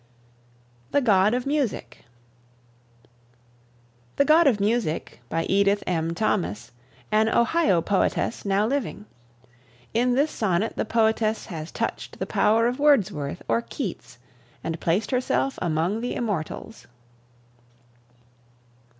THE GOD OF MUSIC. "The God of Music," by Edith M. Thomas, an Ohio poetess now living. In this sonnet the poetess has touched the power of Wordsworth or Keats and placed herself among the immortals.